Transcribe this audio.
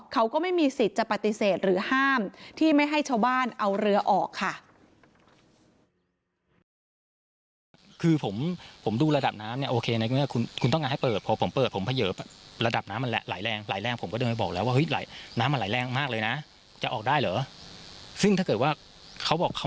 เขาก็ไม่มีสิทธิ์จะปฏิเสธหรือห้ามที่ไม่ให้ชาวบ้านเอาเรือออกค่ะ